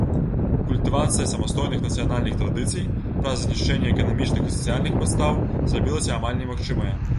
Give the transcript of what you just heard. Культывацыя самастойных нацыянальных традыцый, праз знішчэнне эканамічных і сацыяльных падстаў, зрабілася амаль немагчымая.